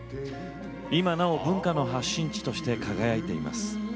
今なお文化の発信地として輝いています。